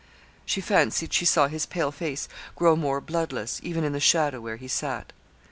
She fancied she saw his pale face grow more bloodless, even in the shadow where he sat.